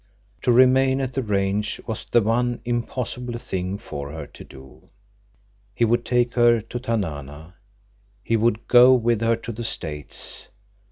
To remain at the range was the one impossible thing for her to do. He would take her to Tanana. He would go with her to the States.